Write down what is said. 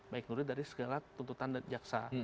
baik nuril dari segala tuntutan dari jaksa